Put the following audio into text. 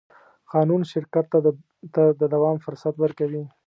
قانون شرکت ته د دوام فرصت ورکوي.